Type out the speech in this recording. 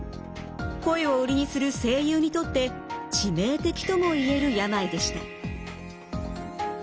声を売りにする声優にとって致命的ともいえる病でした。